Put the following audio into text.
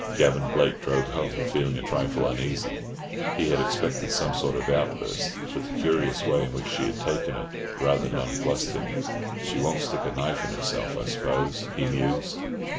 Gavan Blake drove home, feeling a trifle uneasy. He had expected some sort of outburst, but the curious way in which she had taken it rather non plussed him. "She won't stick a knife in herself, I suppose," he mused.